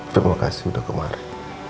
terima kasih sudah kemarin